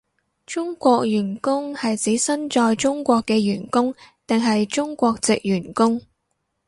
中國員工係指身在中國嘅員工定係中國藉員工？